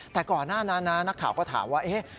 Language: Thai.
แต่ก่อนหน้านั้นนะนักข่าวก็ถามว่า